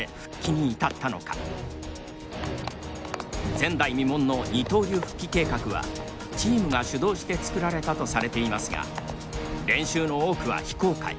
前代未聞の二刀流復帰計画はチームが主導して作られたとされていますが練習の多くは非公開。